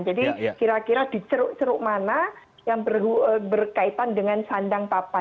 jadi kira kira di ceruk ceruk mana yang berkaitan dengan sandang papan